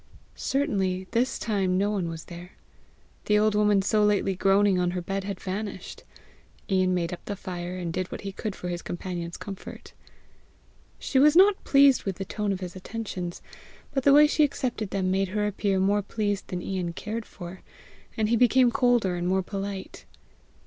Certainly this time no one was there. The old woman so lately groaning on her bed had vanished. Ian made up the fire, and did what he could for his companion's comfort. She was not pleased with the tone of his attentions, but the way she accepted them made her appear more pleased than Ian cared for, and he became colder and more polite.